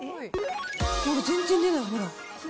ほら、全然出ない、ほら。